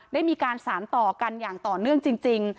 ได้มีการสารต่อกันอย่างต่อเนื่องจริง